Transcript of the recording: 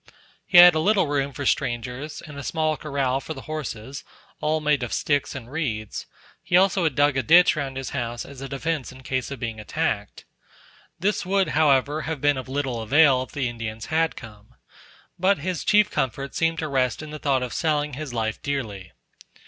He had a little room for strangers, and a small corral for the horses, all made of sticks and reeds; he had also dug a ditch round his house as a defence in case of being attacked. This would, however, have been of little avail, if the Indians had come; but his chief comfort seemed to rest in the thought of selling his life dearly.